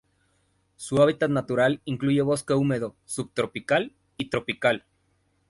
Su hábitat natural incluye bosque húmedo subtropical y tropical.